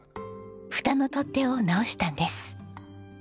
ふたの取っ手を直したんです。